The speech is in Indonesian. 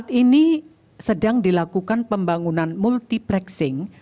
yang sudah dilakukan pembangunan multiplexing